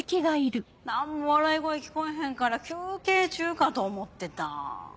何も笑い声聞こえへんから休憩中かと思ってた。